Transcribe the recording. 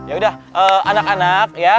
ya udah anak anak ya